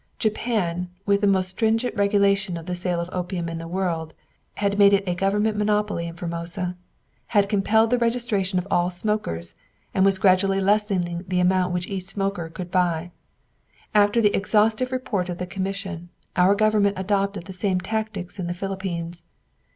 Japan, with the most stringent regulation of the sale of opium in the world, had made it a government monopoly in Formosa, had compelled the registration of all smokers, and was gradually lessening the amount which each smoker could buy. After the exhaustive report of the commission, our Government adopted the same tactics in the Philippines.